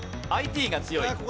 ＩＴが強い。